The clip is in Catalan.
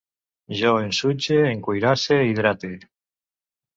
Jo ensutge, encuirasse, hidrate